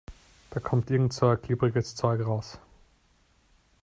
Da kommt irgend so ein glibberiges Zeug raus.